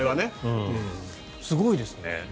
すごいですね。